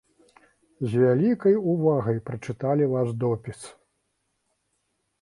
З вялікай увагай прачыталі ваш допіс.